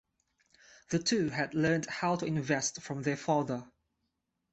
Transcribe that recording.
The two had learned how to invest from their father.